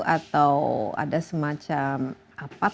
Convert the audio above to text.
atau ada semacam apa